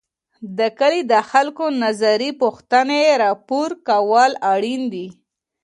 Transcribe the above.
د کلي د خلګو نظري پوښتني راپور کول اړیني دي.